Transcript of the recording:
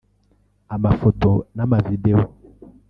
amafoto n’amavideo